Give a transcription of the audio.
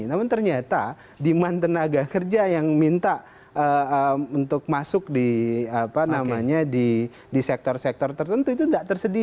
namun ternyata demand tenaga kerja yang minta untuk masuk di sektor sektor tertentu itu tidak tersedia